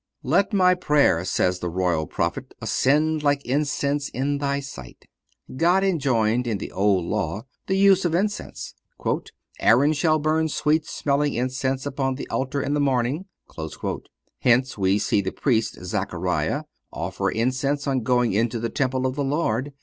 "Let my prayer," says the Royal Prophet, "ascend like incense in Thy sight."(429) God enjoined in the Old Law the use of incense: "Aaron shall burn sweet smelling incense upon the altar in the morning."(430) Hence we see the Priest Zachariah "offer incense on going into the temple of the Lord.